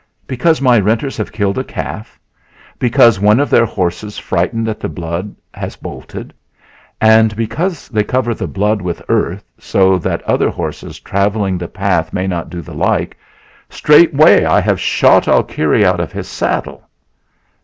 Because my renters have killed a calf; because one of their horses frightened at the blood has bolted, and because they cover the blood with earth so the other horses traveling the path may not do the like; straightway I have shot Alkire out of his saddle...